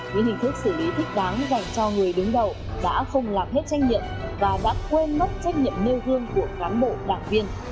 những hình thức xử lý thích đáng dành cho người đứng đầu đã không làm hết trách nhiệm và đã quên mất trách nhiệm nêu gương của cán bộ đảng viên